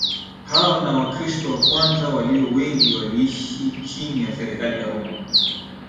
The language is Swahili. Hao na Wakristo wa kwanza walio wengi waliishi chini ya serikali ya Roma